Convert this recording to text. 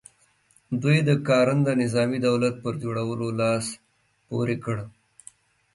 دوی د کارنده نظامي دولت پر جوړولو لاس پ ورې کړ.